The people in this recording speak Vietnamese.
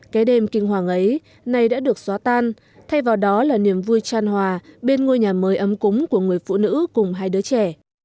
cái đêm kinh hoàng ấy nay đã được xóa tan thay vào đó là niềm vui tràn hòa bên ngôi nhà mới ấm cúng của người phụ nữ cùng hai đứa trẻ